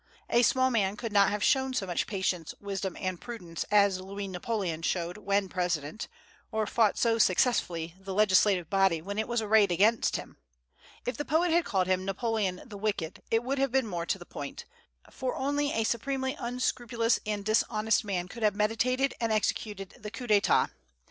A small man could not have shown so much patience, wisdom, and prudence as Louis Napoleon showed when President, or fought so successfully the legislative body when it was arrayed against him. If the poet had called him "Napoleon the Wicked" it would have been more to the point, for only a supremely unscrupulous and dishonest man could have meditated and executed the coup d'état.